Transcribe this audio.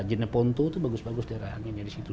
jeneponto itu bagus bagus daerah anginnya di situ